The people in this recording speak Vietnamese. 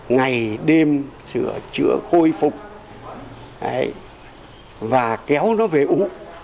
ngày đêm sửa chữa khôi phục và kéo nó về uống